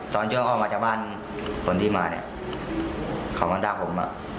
ตอนเชื่อมเข้ามาจากบ้านคนที่มาเนี่ยเขากำลังด้าผมอ่ะ